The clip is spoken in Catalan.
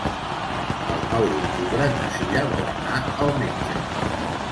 El nou d'octubre na Cira vol anar al metge.